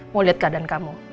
mau liat keadaan kamu